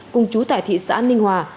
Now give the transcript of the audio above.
cùng chú tại thị xã ninh hòa